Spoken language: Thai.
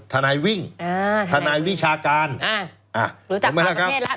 ทนายวิ่งอ่าทนายวิชาการอ่าอ่ารู้จักภาพประเทศแล้ว